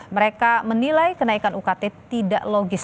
mereka menilai kenaikan ukt tidak logis